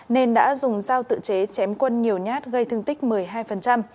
nên đã dùng dao tự chế chém quân nhiều nhát gây thương tích một mươi hai